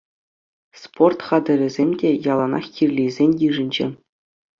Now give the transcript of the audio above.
Спорт хатӗрӗсем те яланах кирлисен йышӗнче.